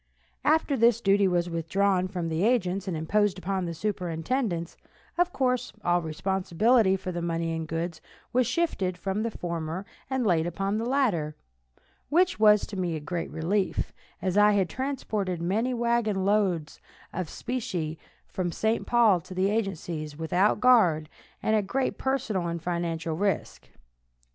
After this duty was withdrawn from the agents and imposed upon the superintendents, of course all responsibility for the money and goods was shifted from the former and laid upon the latter, which was to me a great relief, as I had transported many wagon loads of specie from St. Paul to the agencies without guard, and at great personal and financial risk.